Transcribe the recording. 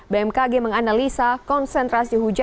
bmkg menganalisa konsentrasi hujan